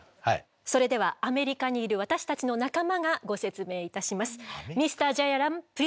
それではアメリカにいる私たちの仲間がご説明いたします。